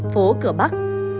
phố cửa bắc